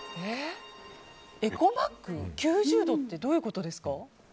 エコバッグ９０度ってどういうことですか？